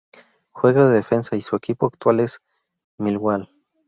Juega de defensa y su equipo actual es el Millwall.